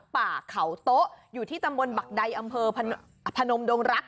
ป่าเขาโต๊ะอยู่ที่ตำบลบักใดอำเภอพนมดงรัก